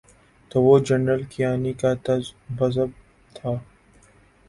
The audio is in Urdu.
تو وہ جنرل کیانی کا تذبذب تھا۔